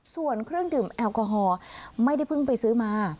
ส่วนเครื่องดื่มแอลกอฮอล์ไม่ได้เพิ่งไปซื้อมา